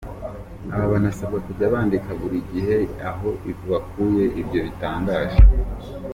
Aba banasabwa kujya bandika buri gihe aho bakuye ibyo bitangaje.